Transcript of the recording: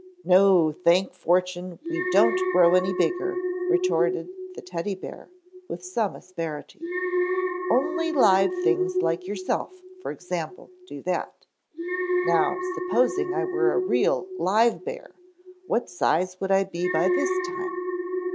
"No, thank fortune, we don't grow any bigger," retorted the Teddy bear, with some asperity. "Only live things, like yourself, for example, do that. Now supposing I were a real, live bear, what size would I be by this time?